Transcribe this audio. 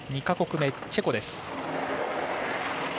２か国目、チェコです。